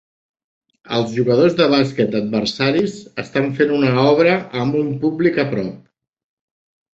Els jugadors de bàsquet adversaris estan fent una obra amb un públic a prop